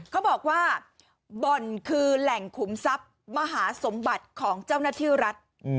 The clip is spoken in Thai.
เขาบอกว่าบ่อนคือแหล่งขุมทรัพย์มหาสมบัติของเจ้าหน้าที่รัฐ